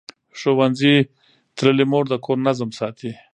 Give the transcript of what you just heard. ښوونځې تللې مور د کور نظم ساتي.